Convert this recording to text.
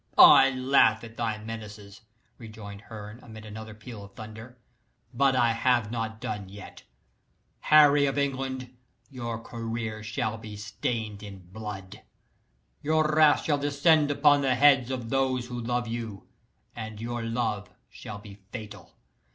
"I laugh at thy menaces," rejoined Herne, amid another peal of thunder "but I have not yet done. Harry of England! your career shall be stained in blood. Your wrath shall descend upon the heads of those who love you, and your love shall be fatal.